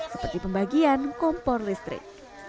seperti pembagian kompor listrik